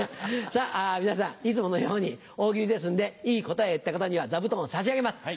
皆さんいつものように大喜利ですんでいい答えを言った方には座布団を差し上げます。